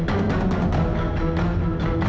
lepasin pak randy